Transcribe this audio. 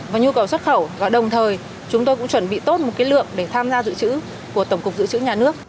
và nhu cầu xuất khẩu và đồng thời chúng tôi cũng chuẩn bị tốt một cái lượng để tham gia dự trữ của tổng cục dự trữ nhà nước